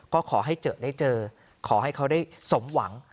ก็ขอให้เจอได้เจอขอให้เขาได้สมหวัง